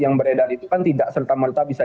yang beredar itu kan tidak serta merta bisa